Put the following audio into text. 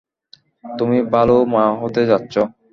তুমি ভালো মা হতে যাচ্ছ।